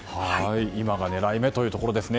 今が狙い目ということですね。